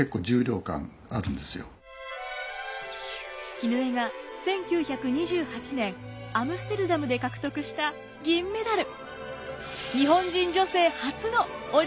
絹枝が１９２８年アムステルダムで獲得した銀メダル。